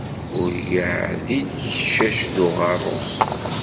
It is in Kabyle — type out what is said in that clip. Ur yeɛdil ccac d uɣerrus.